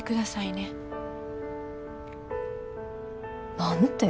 何て？